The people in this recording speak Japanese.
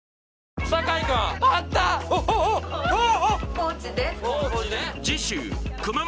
ポーチです